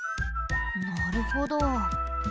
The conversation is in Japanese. なるほど。